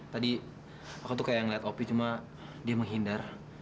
tadi aku tuh kayak ngeliat kopi cuma dia menghindar